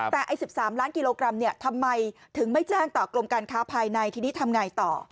แต่๑๓ล้านกิโลกรัมทำไมถึงไม่แจ้งต่อกรมการค้าภายในทีนี้ทำไงต่อ